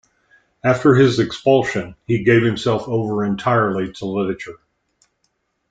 After his expulsion, he gave himself over entirely to literature.